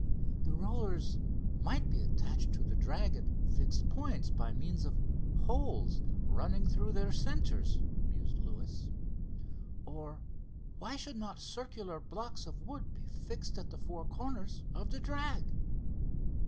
"The rollers might be attached to the drag at fixed points by means of holes running through their centres," mused Luis. "Or why should not circular blocks of wood be fixed at the four corners of the drag?...